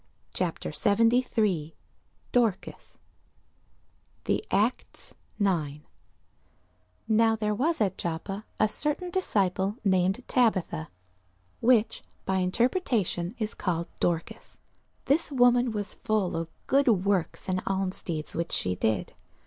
CHAPTER 73 DORCAS [Sidenote: The Acts 9] NOW there was at Joppa a certain disciple named Tabitha, which by interpretation is called Dorcas: this woman was full of good works and almsdeeds which she did.